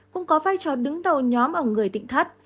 cũng có vai trò đứng đầu nhóm ở người tịnh thắt